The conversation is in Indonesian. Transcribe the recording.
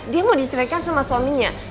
dia mau disediakan sama suaminya